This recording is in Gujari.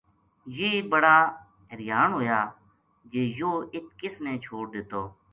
یہ بڑا حیریان ہویا جے یو ہ اِت کس نے چھوڈ دِتو